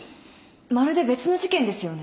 まるで別の事件ですよね。